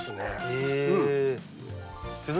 へえ。